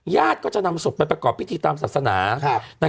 ญาติก็จะนำศพไปประกอบพิธีตามศาสนานะครับ